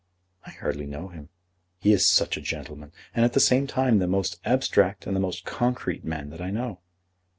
"I hardly know him." "He is such a gentleman; and, at the same time, the most abstract and the most concrete man that I know."